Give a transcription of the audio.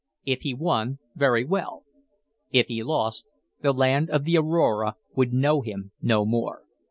If he won, very well. If he lost, the land of the Aurora would know him no more.